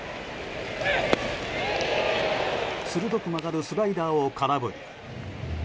鋭く曲がるスライダーを空振り。